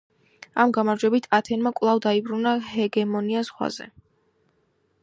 ამ გამარჯვებით ათენმა კვლავ დაიბრუნა ჰეგემონია ზღვაზე.